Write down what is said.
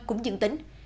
cũng dương tính